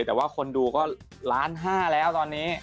แต่ว่าคนดูก็ล้านห้าแล้วตอนนี้